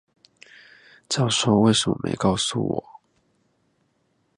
教授為什麼沒告訴我